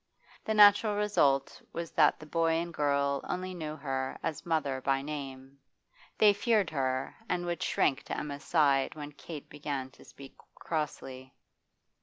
The natural result was that the boy and girl only knew her as mother by name; they feared her, and would shrink to Emma's side when Kate began to speak crossly.